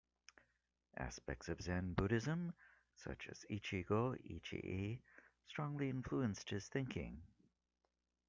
Aspects of Zen Buddhism, such as "ichi-go ichi-e", strongly influenced his thinking.